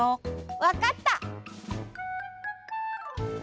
わかった！